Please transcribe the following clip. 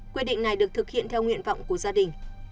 quy định này được thực hiện theo nguyện vọng của gia đình